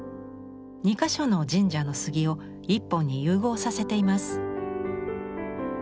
２か所の神社の杉を１本に融合させています。